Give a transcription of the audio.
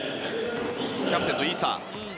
キャプテンのイサ。